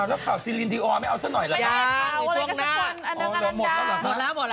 อ้าวแล้วข่าวซีลินดีออไม่เอาซะหน่อยหรอมันหมดแล้วหมดแล้วหมดแล้ว